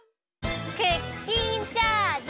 クッキンチャージ！